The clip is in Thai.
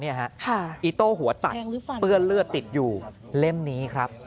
อีโต้หัวตัดเปื้อนเลือดติดอยู่เล่มนี้ครับ